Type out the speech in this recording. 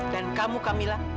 dan kamu kamila